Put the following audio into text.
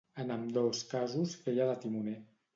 En ambdós casos feia de timoner.